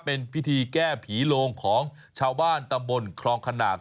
เป็นพิธีแก้ผีโลงของชาวบ้านตำบลคลองขนาก